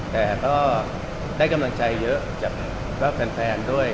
แต่ก็ได้กำลังใจเยอะจากแฟนด้วย